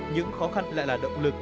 những khó khăn lại là động lực